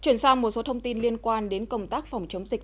chuyển sang một số thông tin liên quan đến công tác phòng chống dịch